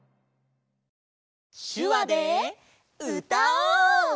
しゅわでうたおう！